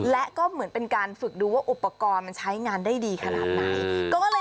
และก็เหมือนเป็นการฝึกดูว่าอุปกรณ์มันใช้งานได้ดีขนาดไหน